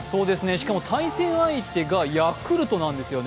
しかも対戦相手がヤクルトなんですよね。